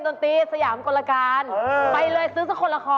นี่เป็นสถาบันที่มันดีดีกว่า